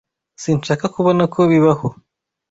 Sinshaka kubona ko bibaho.